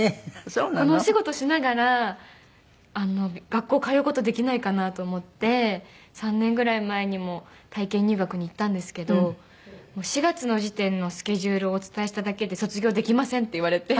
このお仕事しながら学校通う事できないかなと思って３年ぐらい前にも体験入学に行ったんですけど４月の時点のスケジュールをお伝えしただけで卒業できませんって言われて。